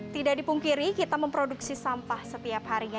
tidak dipungkiri kita memproduksi sampah setiap harinya